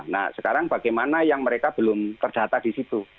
nah sekarang bagaimana yang mereka belum terdata di situ